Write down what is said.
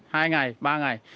hai ngày ba ngày